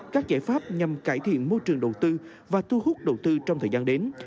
các giải pháp nhằm cải thiện môi trường đầu tư và thu hút đầu tư trong thời gian đến